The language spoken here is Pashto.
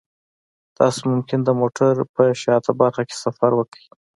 تاسو ممکن د موټر په شاته برخه کې سفر وکړئ